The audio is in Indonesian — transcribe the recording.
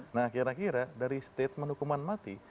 nah kira kira dari statement hukuman mati